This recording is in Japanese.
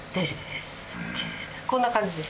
こんな感じです。